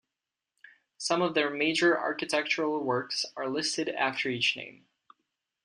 Some of their major architectural works are listed after each name.